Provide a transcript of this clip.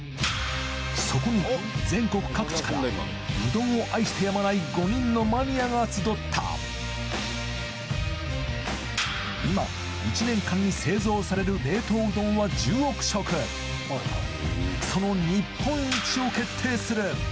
そこに全国各地からうどんを愛してやまない５人のマニアが集った今１年間に製造される冷凍うどんは１０億食その日本一を決定する！